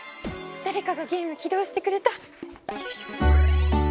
だれかがゲーム起動してくれた！